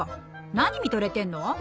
何見とれてんの！